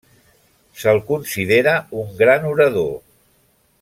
Se'l considera un gran orador.